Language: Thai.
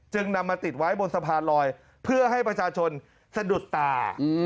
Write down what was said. นำมาติดไว้บนสะพานลอยเพื่อให้ประชาชนสะดุดตา